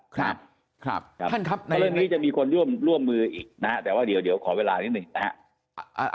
ครับครับครับท่านครับเรื่องนี้จะมีคนร่วมร่วมมืออีกนะแต่ว่าเดี๋ยวเดี๋ยวขอเวลานิดหนึ่งนะฮะ